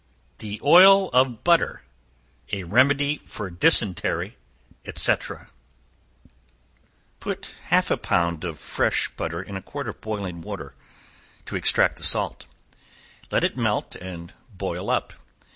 The Oil of Butter. A Remedy for Dysentery, &c. Put half a pound of fresh butter in a quart of boiling water, to extract the salt; let it melt and boil up.